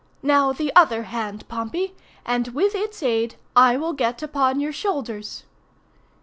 Now, the other hand, Pompey, and with its aid I will get upon your shoulders."